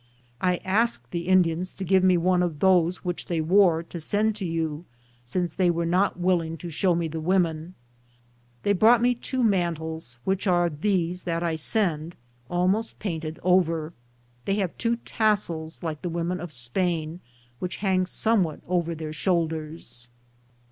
I asked the In dians to give me one of those which they wore, to send to you, since they were not willing to show me the women. They brought me two mantles, which are these that I send, almost painted over. They have two tassels, like the women of Spain, which hang somewhat over their shoulders.